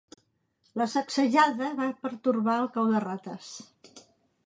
La sacsejada va pertorbar el cau de rates.